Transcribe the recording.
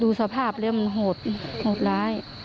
ดูสภาพเลยมันโหดโหดร้าย